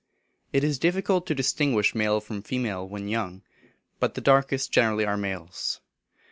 It is difficult to distinguish male from female birds when young; but the darkest generally are males.